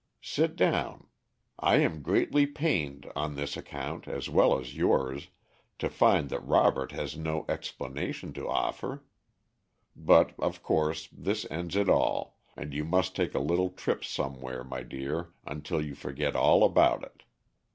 "Sit down. I am greatly pained, on his account as well as yours, to find that Robert has no explanation to offer. But, of course, this ends it all, and you must take a little trip somewhere, my dear, until you forget all about it.